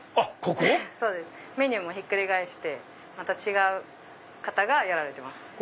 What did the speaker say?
ここ⁉メニューもひっくり返してまた違う方がやられてます。